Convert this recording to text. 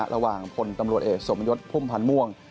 ระหว่างพลตำรวจเอกสมยศพุ่มพันธ์ม่วง